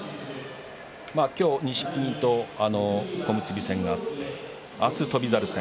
錦木と小結戦があって明日、翔猿戦